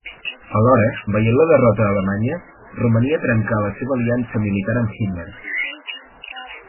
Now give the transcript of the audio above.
Alhora, veient la derrota alemanya, Romania trencà la seva aliança militar amb Hitler.